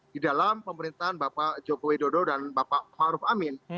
di dalam pemerintahan bapak joko widodo dan bapak maruf amin